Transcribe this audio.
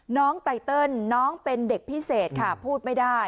ไตเติลน้องเป็นเด็กพิเศษค่ะพูดไม่ได้